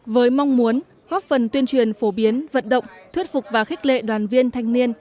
với mong muốn góp phần tuyên truyền phổ biến vận động thuyết phục và khích lệ đoàn viên thanh niên